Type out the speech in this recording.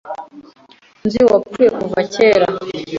Nzi uwapfuye kuva kera.